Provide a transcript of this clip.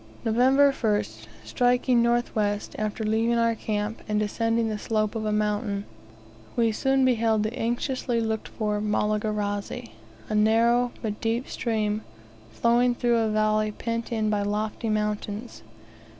November 1st. Striking north west, after leaving our camp, and descending the slope of a mountain, we soon beheld the anxiously looked for Malagarazi, a narrow but deep stream, flowing through a valley pent in by lofty mountains.